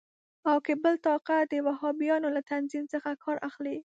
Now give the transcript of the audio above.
او که بل طاقت د وهابیانو له تنظیم څخه کار اخلي.